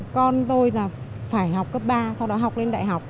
con tôi là phải học cấp ba sau đó học lên đại học